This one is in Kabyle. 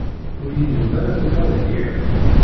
Ur yennum ara tuffɣa deg iḍ.